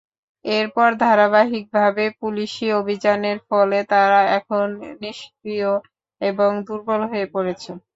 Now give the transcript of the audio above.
এরপর ধারাবাহিকভাবে পুলিশি অভিযানের ফলে তারা এখন নিষ্ক্রিয় এবং দুর্বল হয়ে পড়েছে।